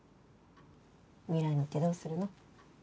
未来に行ってどうするの？